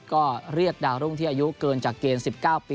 ก็เรียกดาวรุ่งที่อายุเกินจากเกณฑ์๑๙ปี